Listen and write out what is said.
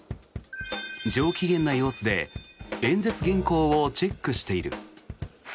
上機嫌な様子で演説原稿をチェックしている。